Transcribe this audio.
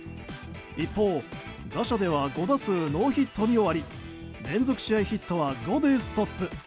一方、打者では５打数ノーヒットに終わり連続試合ヒットは５でストップ。